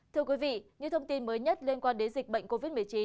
thưa quý vị những thông tin mới nhất liên quan đến dịch bệnh covid một mươi chín